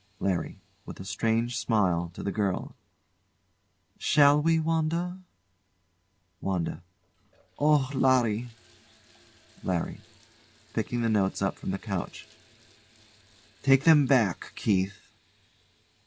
LARRY. [With a strange smile to the girl] Shall we, Wanda? WANDA. Oh, Larry! LARRY. [Picking the notes up from the couch] Take them back, Keith.